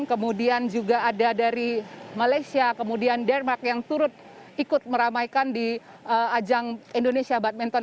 kemudian juga ada dari malaysia kemudian denmark yang turut ikut meramaikan di ajang indonesia badminton